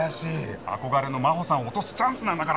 憧れの真帆さんを落とすチャンスなんだから！